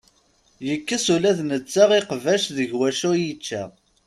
Yekkes ula d netta iqbac deg wacu i yečča.